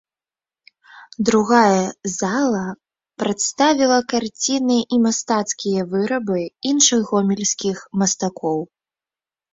Другая зала прадставіла карціны і мастацкія вырабы іншых гомельскіх мастакоў.